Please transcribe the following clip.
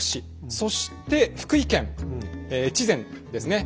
そして福井県越前ですね